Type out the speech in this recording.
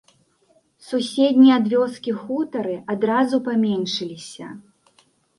Суседнія ад вёскі хутары адразу паменшыліся.